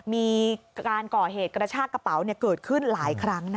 มีการก่อเหตุกระชากระเป๋าเกิดขึ้นหลายครั้ง